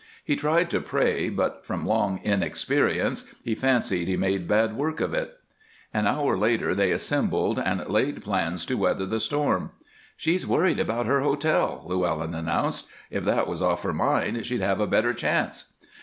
He tried to pray, but from long inexperience he fancied he made bad work of it. An hour later they assembled and laid plans to weather the storm. "She's worried about her hotel," Llewellyn announced. "If that was off her mind she'd have a better chance."